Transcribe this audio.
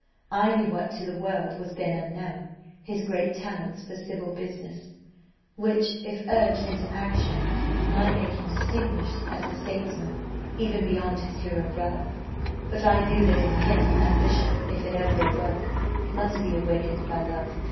I knew, what to the world was then unknown, his great talents for civil business, which, if urged into action, might make him distinguished as a statesman even beyond his hero brother, but I knew that in him ambition, if it ever awoke, must be awakened by love.